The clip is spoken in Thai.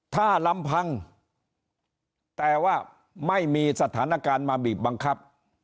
ถ้าลำพังแต่ว่าไม่มีสถานการณ์มาบีบบังคับ